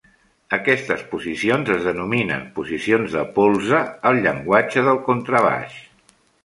Aquestes posicions es denominen 'posicions de polze' al llenguatge del contrabaix.